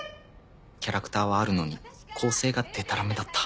キャラクターはあるのに構成がでたらめだった。